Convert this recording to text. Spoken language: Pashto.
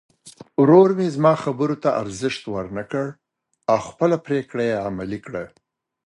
ورور مې زما خبرو ته ارزښت ورنه کړ او خپله پرېکړه یې عملي کړه.